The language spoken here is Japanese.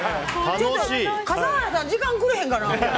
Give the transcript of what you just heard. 笠原さん、時間くれへんかな。